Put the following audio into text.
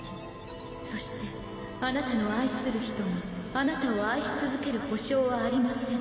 そしてあなたの愛する人があなたを愛し続ける保証はありません。